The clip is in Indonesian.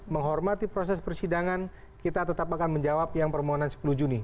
menghormati proses persidangan kita tetap akan menjawab yang permohonan sepuluh juni